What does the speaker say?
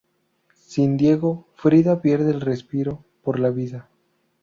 Sin Diego, Frida pierde el respiro por la vida.